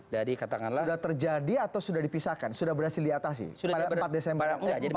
jadi katakanlah sudah terjadi atau sudah dipisahkan sudah berhasil di atas sih pada empat desember